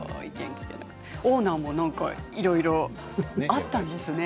オーナーもなんかいろいろあったんですね。